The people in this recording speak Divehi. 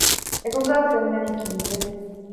އެކުގައި ފެންނަނީ ކީއްވެ؟